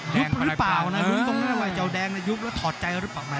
ยุบหรือเปล่านะดูตรงนั้นว่าเจ้าแดงในยุบแล้วถอดใจหรือเปล่านะ